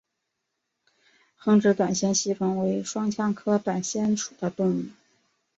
横殖短腺吸虫为双腔科短腺属的动物。